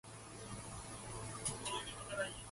You don’t discard them.